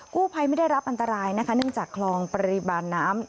ไม่ได้รับอันตรายนะคะเนื่องจากคลองปริมาณน้ำ